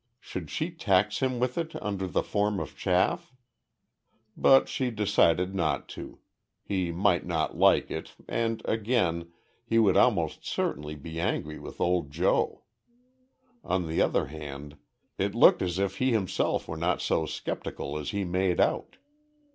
Should she tax him with it under the form of chaff? But she decided not to. He might not like it, and again, he would almost certainly be angry with old Joe. On the other hand it looked as if he himself were not so sceptical as he made out.